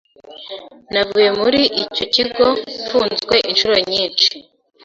navuye muri icyo kigo mfunzwe incuro nyinshi.